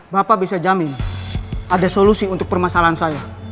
bapak bisa jamin ada solusi untuk permasalahan saya